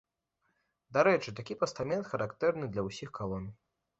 Дарэчы, такі пастамент характэрны для ўсіх калон.